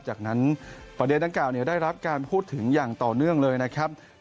จากนั้นประเด็นดังกล่าวได้รับการพูดถึงอย่างต่อเนื่องเลยนะครับ